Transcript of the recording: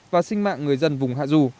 và sinh mạng người dân vùng hạ dù